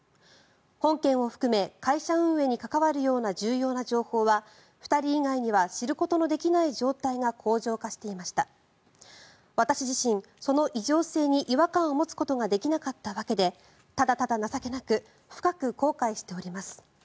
本件を含め会社運営に関わるような重要な情報は２人以外には知ることのできない状態が恒常化していました私自身、その異常性に違和感を持つことができなかったわけでただただ情けなく深く後悔しております。